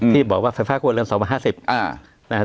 ที่บอกว่าไฟฟ้าควรเริ่ม๒๕๐บาท